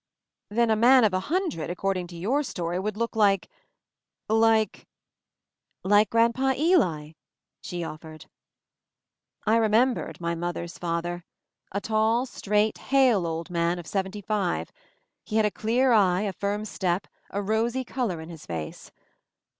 "Then a man of a hundred, according to your story, would look like — like —:—" "Like Grandpa Ely," she offered. I remembered my mother's father — a tall, 22 MOVING THE MOUNTAIN straight, hale old man of seventy five. He had a clear eye, a firm step, a rosy color in his face.